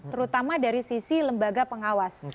terutama dari sisi lembaga pengawas